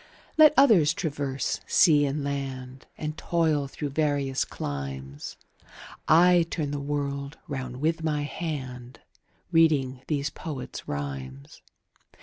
Let others traverse sea and land, And toil through various climes, 30 I turn the world round with my hand Reading these poets' rhymes.